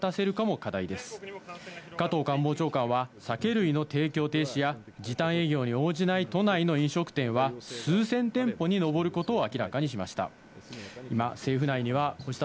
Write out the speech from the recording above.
加藤官房長官は酒類の提供停止や、時短営業に応じない都内の飲食店は数千店舗に上ることを明らかにしました。